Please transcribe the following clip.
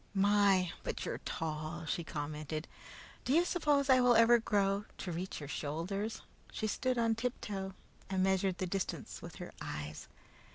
"My, but you're tall!" she commented. "Do you suppose I ever will grow to reach your shoulders?" She stood on tiptoe and measured the distance with her eyes.